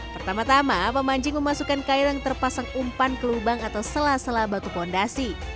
pertama tama pemancing memasukkan kail yang terpasang umpan ke lubang atau sela sela batu fondasi